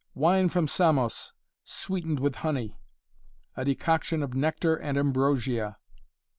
"Wine from Samos sweetened with honey." "A decoction of Nectar and Ambrosia."